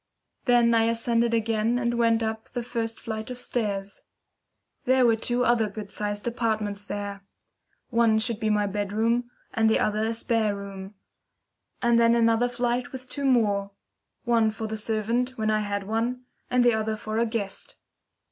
Then I ascended again and went up the first flight of stairs. There were two other good sized apartments there. One should be my bedroom, and the other a spare room. And then another flight with two more. One for the servant, when I had one, and the other for a guest.